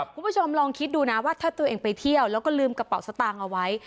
คุณผู้ชมลองคิดดูนะว่าถ้าตัวเองไปเที่ยวแล้วก็ลืมกระเป๋าสตางค์เอาไว้